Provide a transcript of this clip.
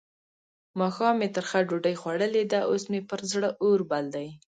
ماښام مې ترخه ډوډۍ خوړلې ده؛ اوس مې پر زړه اور بل دی.